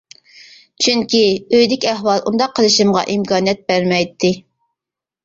چۈنكى، ئۆيدىكى ئەھۋال ئۇنداق قىلىشىمغا ئىمكانىيەت بەرمەيتتى.